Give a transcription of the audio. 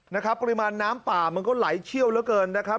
นะครับปริมาณน้ำป่ามันก็ไหลเชี่ยวเหลือเกินนะครับ